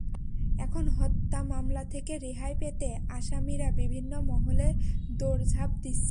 এখন হত্যা মামলা থেকে রেহাই পেতে আসামিরা বিভিন্ন মহলে দৌড়ঝাঁপ দিচ্ছেন।